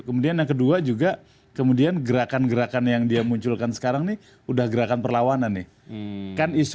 kemudian yang kedua juga kemudian gerakan gerakan yang dia munculkan sekarang nih udah gerakan perlawanan nih